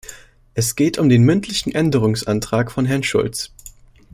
Es geht um den mündlichen Änderungsantrag von Herrn Schulz.